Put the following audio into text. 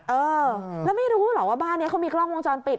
เออแล้วไม่รู้หรอกว่าบ้านนี้เขามีกล้องวงจรปิด